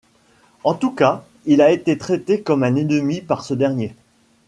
En tout cas, il a été traité comme un ennemi par ce dernier.